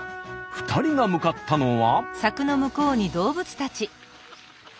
２人が向かったのは。